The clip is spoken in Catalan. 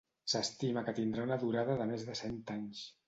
S'estima que tindrà una durada de més de cent anys.